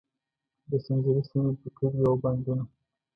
د سنځري سیمې پر کلیو او بانډونو.